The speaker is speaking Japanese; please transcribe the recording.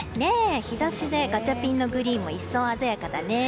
日差しでガチャピンのグリーンも一層、鮮やかだね。